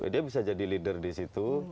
dia bisa jadi leader di situ